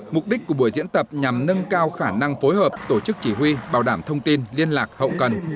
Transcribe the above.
mục đích của buổi diễn tập nhằm nâng cao khả năng phối hợp tổ chức chỉ huy bảo đảm thông tin liên lạc hậu cần